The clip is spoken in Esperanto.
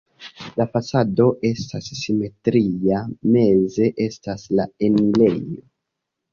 La fasado estas simetria, meze estas la enirejo.